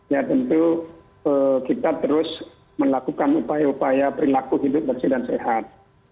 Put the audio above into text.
ya tentu kita terus melakukan upaya upaya perilaku hidup bersih dan sehat